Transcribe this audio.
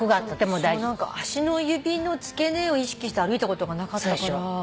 足の指の付け根を意識して歩いたことがなかったから。